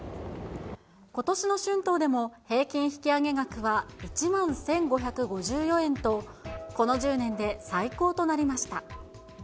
ことしの春闘でも平均引き上げ額は１万１５５４円と、この１０年で最高となりました。